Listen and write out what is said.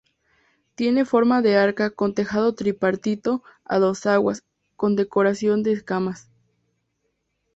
Tiene forma de arca con tejado tripartito a dos aguas, con decoración de escamas.